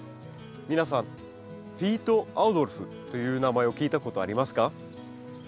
皆さんピート・アウドルフという名前を聞いたことありますか？